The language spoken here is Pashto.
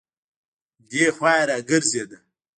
دی خوا يې راګرځېده.